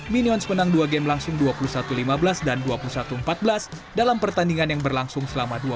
minions menang dua game langsung dua puluh satu lima belas dan dua puluh satu empat belas dalam pertandingan yang berlangsung selama dua puluh